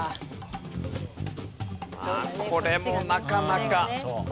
これもなかなか。